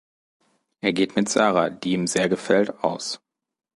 Er geht mit Sara, die ihm sehr gefällt, aus.